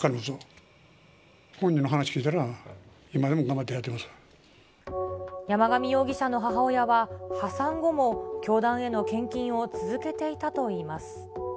本人の話聞いたら、山上容疑者の母親は、破産後も教団への献金を続けていたといいます。